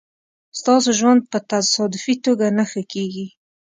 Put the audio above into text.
ستاسو ژوند په تصادفي توگه نه ښه کېږي